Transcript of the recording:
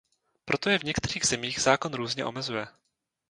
Proto je v některých zemích zákon různě omezuje.